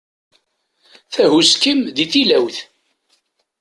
Tahuski-m d tilawt.